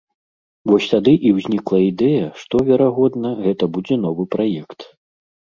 Вось тады і ўзнікла ідэя, што, верагодна, гэта будзе новы праект.